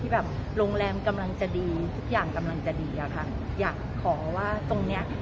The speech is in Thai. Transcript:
แบบโรงแรมกำลังจะดีทุกอย่างกำลังจะดีอะค่ะอยากขอว่าตรงเนี้ย